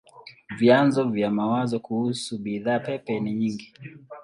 Vyanzo vya mawazo kuhusu bidhaa pepe ni nyingi.